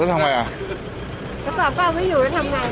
โอ้ยจะไปใหญ่อีกแนะโอ้ย